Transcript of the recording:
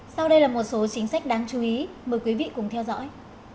sau đây là một số chính sách đáng chú ý mời quý vị cùng theo dõi